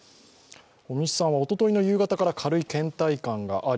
尾身さん、おとといの夕方から軽いけん怠感があり